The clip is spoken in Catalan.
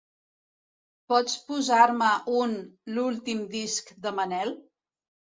Pots posar-me un l'últim disc de Manel?